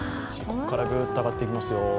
ここからぐーっと上がっていきますよ。